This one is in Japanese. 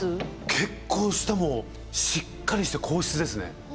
結構下もしっかりして硬質ですね。